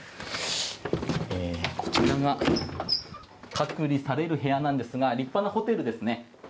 こちらが隔離される部屋なんですが立派なホテルですね。